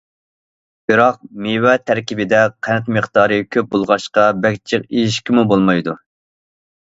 بىراق، مېۋە تەركىبىدە قەنت مىقدارى كۆپ بولغاچقا، بەك جىق يېيىشكىمۇ بولمايدۇ.